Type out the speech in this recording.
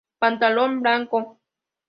Pantalón blanco.